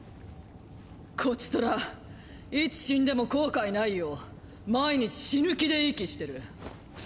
こちとらいつ死んでも後悔ないよう毎日死ぬ気で息してる。